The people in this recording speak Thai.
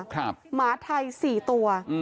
หมาไทย๔ตัว